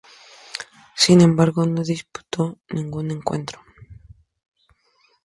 Sin embargo, no disputo ningún encuentro.